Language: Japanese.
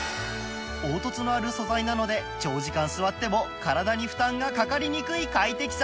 凹凸のある素材なので長時間座っても体に負担がかかりにくい快適さ